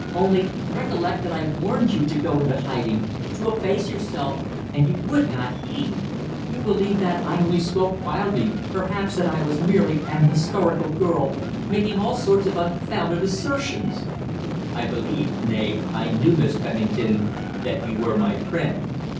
Only recollect that I warned you to go into hiding to efface yourself and you would not heed. You believed that I only spoke wildly perhaps that I was merely an hysterical girl, making all sorts of unfounded assertions." "I believed, nay, I knew, Miss Pennington, that you were my friend.